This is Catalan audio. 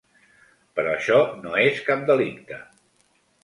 Però això no és cap delicte.